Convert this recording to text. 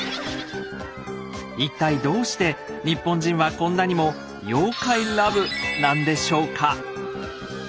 一体どうして日本人はこんなにも「妖怪ラブ」なんでしょうか？